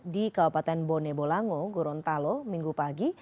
di kabupaten bonebolango gorontalo minggu pagi